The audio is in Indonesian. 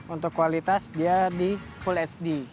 untuk kualitas dia di full hd